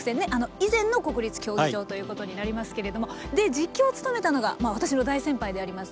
以前の国立競技場ということになりますけれども実況を務めたのが私の大先輩であります